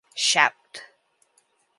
Shout!